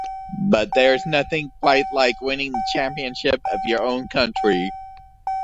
But there is nothing quite like winning the championship of your own country.